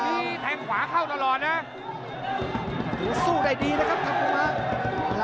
หีวรึเปล่า